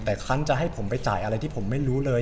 แต่ครั้งจะให้ผมไปจ่ายอะไรที่ผมไม่รู้เลย